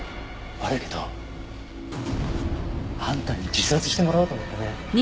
悪いけどあんたに自殺してもらおうと思ってね。